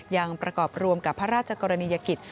ยังประกอบรวมกับพระราชกรณียกิจ